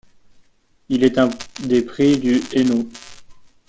Il est un des prix du Hainaut.